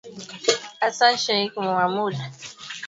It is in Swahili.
Hassan Sheikh Mohamud alimshukuru Rais Joe Biden siku ya Jumanne.